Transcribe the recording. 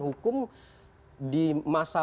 hukum di masa